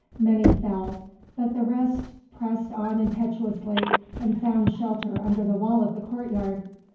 Many fell, but the rest pressed on impetuously and found shelter under the wall of the courtyard.